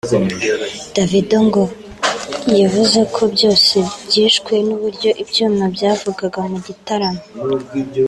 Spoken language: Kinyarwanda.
Davido ngo yavuze ko byose byishwe n’uburyo ibyuma byavugaga mu gitaramo